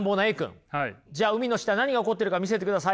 じゃあ海の下何が起こってるか見せてください。